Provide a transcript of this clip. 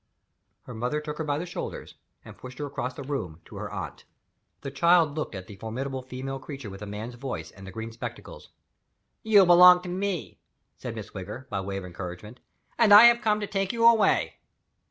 Her mother took her by the shoulders, and pushed her across the room to her aunt. The child looked at the formidable female creature with the man's voice and the green spectacles. "You belong to me," said Miss Wigger, by way of encouragement, "and I have come to take you away."